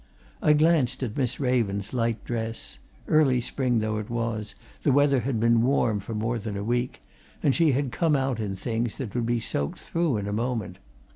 I glanced at Miss Raven's light dress early spring though it was, the weather had been warm for more than a week, and she had come out in things that would be soaked through in a moment.